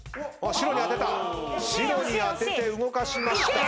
白に当てて動かしました。